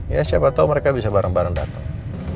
ya siapa tau mereka bisa bareng bareng dateng